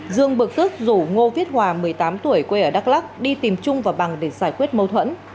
dương bực tức rủ ngô viết hòa một mươi tám tuổi quê ở đắk lắc đi tìm trung và bằng để giải quyết mâu thuẫn